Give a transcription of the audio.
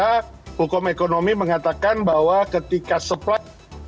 beras yang tersisa hukum ekonomi mengatakan bahwa ketika supply